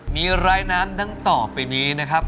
มีรายนั้นดังต่อไปนี้นะครับ